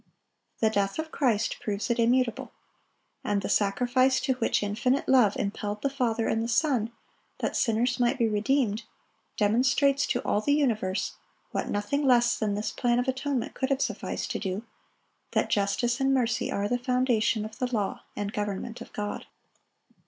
The death of Christ proves it immutable. And the sacrifice to which infinite love impelled the Father and the Son, that sinners might be redeemed, demonstrates to all the universe—what nothing less than this plan of atonement could have sufficed to do—that justice and mercy are the foundation of the law and government of God.